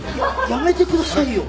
やめてくださいよ。